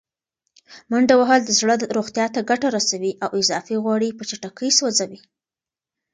منډه وهل د زړه روغتیا ته ګټه رسوي او اضافي غوړي په چټکۍ سوځوي.